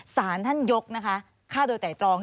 สารท่านยกนะคะฆ่าโดยไตรตรอง